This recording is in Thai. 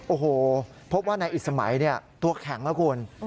โอ้โหพบว่านายอิสมัยตัวแข็งแล้วคุณ